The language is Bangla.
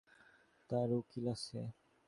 তার উকিল আছে।